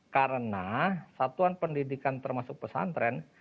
karena satuan pendidikan termasuk pesantren